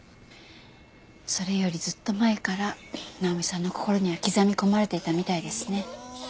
それよりずっと前から直美さんの心には刻み込まれていたみたいですね。